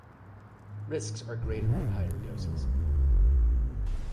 Risks are greater with higher doses.